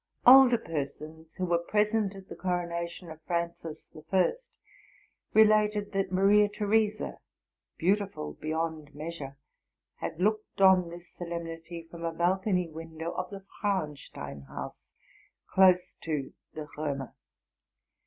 Older persons, who were present at the coronation of Francis the First, related that Maria Theresa, beautiful be yond measure, had looked on this solemnity ren a balcony window of the Frauenstein house, close to the Romer.